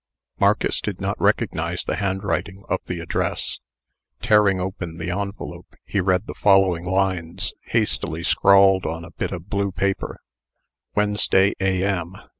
Marcus did not recognize the handwriting of the address. Tearing open the envelope, he read the following lines, hastily scrawled on a bit of blue paper: Wednesday, A.M.